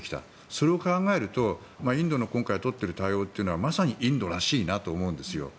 それを考えるとインドの今回取っている対応はまさにインドらしいなと思うんですよ。